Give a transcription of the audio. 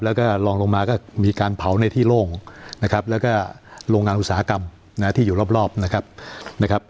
แล้วก็ลองลงมาก็มีการเผาในที่โล่งนะครับแล้วก็โรงงานอุตสาหกรรมที่อยู่รอบนะครับนะครับ